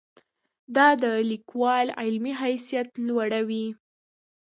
دا د لیکوال علمي حیثیت لوړوي.